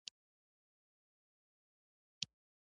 زمرد تر ټولو قیمتي ډبره ده